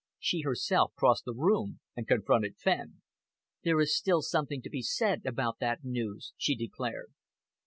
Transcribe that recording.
She herself crossed the room and confronted Fenn. "There is still something to be said about that news," she declared.